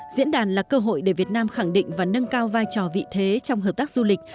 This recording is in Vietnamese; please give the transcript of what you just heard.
diễn đàn là cơ hội để việt nam khẳng định và nâng cao vai trò vị thế trong hợp tác du lịch